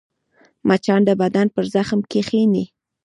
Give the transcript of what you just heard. مچان د بدن پر زخم کښېني